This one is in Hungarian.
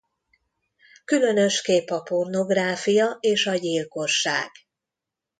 Különösképp a pornográfia és a gyilkosság.